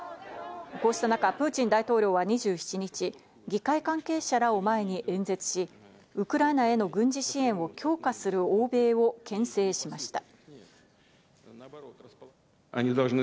こうした中、プーチン大統領は２７日、議会関係者らを前に演説し、ウクライナへの軍事支援を強化する欧米を牽制しました。